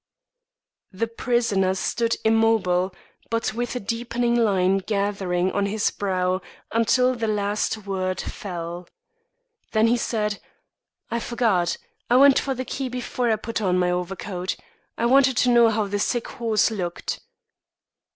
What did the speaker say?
_" The prisoner stood immobile but with a deepening line gathering on his brow until the last word fell. Then he said: "I forgot. I went for the key before I put on my overcoat. I wanted to see how the sick horse looked."